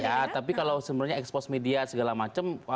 ya tapi kalau sebenarnya expose media segala macam